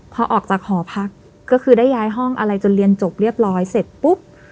พอออกจากหอพักก็คือได้ย้ายห้องอะไรจนเรียนจบเรียบร้อยเสร็จปุ๊บ